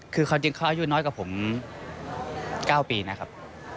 คือเขาจริงอายุน้อยกับผม๙ปีนะครับ